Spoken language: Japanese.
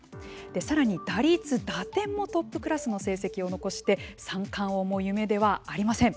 さらに打率、打点もトップクラスの成績を残して三冠王も夢ではありません。